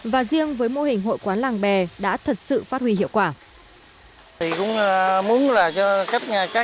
và riêng với mô hình hội quán làng bè đã thật sự phát huy hiệu quả